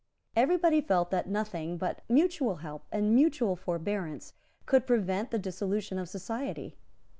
Every body felt that nothing but mutual help and mutual forbearance could prevent the dissolution of society.